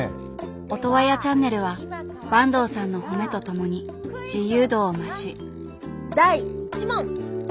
オトワヤチャンネルは坂東さんの褒めと共に自由度を増し第１問！